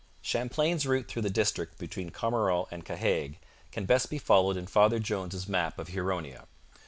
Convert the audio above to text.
Champlain's route through the district between Carmaron and Cahaigue can best be followed in Father Jones's map of Huronia.